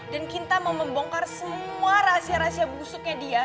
dan kita mau membongkar semua rahasia rahasia busuknya dia